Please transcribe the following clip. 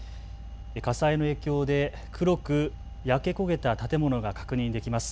火災の影響で黒く焼け焦げた建物が確認できます。